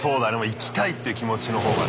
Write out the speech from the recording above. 行きたいっていう気持ちの方がね。